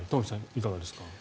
いかがですか。